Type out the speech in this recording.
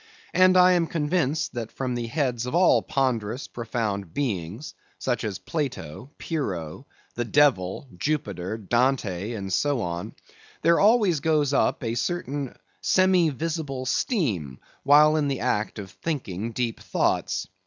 And I am convinced that from the heads of all ponderous profound beings, such as Plato, Pyrrho, the Devil, Jupiter, Dante, and so on, there always goes up a certain semi visible steam, while in the act of thinking deep thoughts.